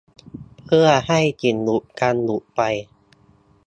เพื่อช่วยให้สิ่งอุดตันหลุดไป